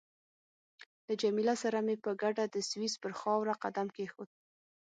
له جميله سره مې په ګډه د سویس پر خاوره قدم کېښود.